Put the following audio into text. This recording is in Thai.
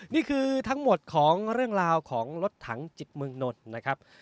นี่คือทั้งหมดของเรื่องราวของรถถังจิตเมืองนนท์นะครับ